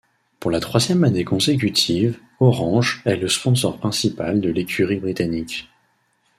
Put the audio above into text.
Pour la troisième année consécutive, Orange est le sponsor principal de l'écurie britannique.